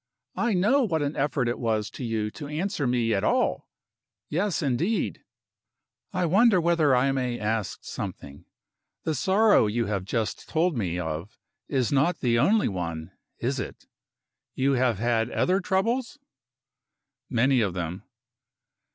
I know what an effort it was to you to answer me at all. Yes, indeed! I wonder whether I may ask something. The sorrow you have just told me of is not the only one is it? You have had other troubles?" "Many of them."